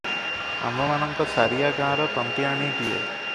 ଆମ୍ଭମାନଙ୍କ ସାରିଆ ଗାଁର ତନ୍ତୀଆଣିଟିଏ ।